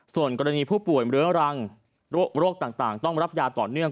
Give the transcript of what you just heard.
ส่วนกรณีผู้ป่วยเรื้อรังโรคต่างต้องรับยาต่อเนื่อง